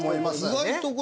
意外と。